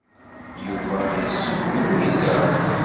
Yuba yesseww i Lwiza.